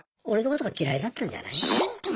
俺のことが嫌いだったんじゃない？